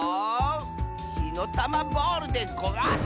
ひのたまボールでごわす！